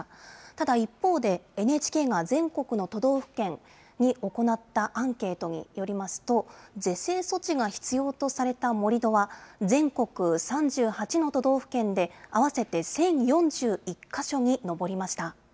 ただ一方で、ＮＨＫが全国の都道府県に行ったアンケートによりますと、是正措置が必要とされた盛り土は、全国３８の都道府県で合わせて１０４１か所に上りました。